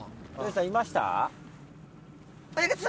いました？